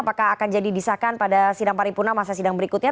apakah akan jadi disahkan pada sidang paripurna masa sidang berikutnya